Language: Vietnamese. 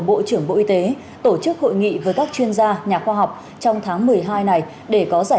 bộ trưởng bộ y tế tổ chức hội nghị với các chuyên gia nhà khoa học trong tháng một mươi hai này để có giải